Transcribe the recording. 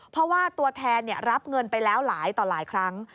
เพราะว่าตัวแทนรับเงินไปแล้วหลายต่อหลายครั้ง